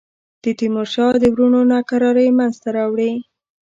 د تیمورشاه د وروڼو ناکراری منځته راوړي.